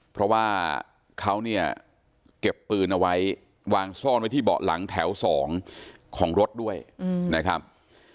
เพราะว่าเขาเนี่ยเก็บปืนเอาไว้วางซ่อนไว้ที่เบาะหลังแถว๒ของรถด้วยนะครับ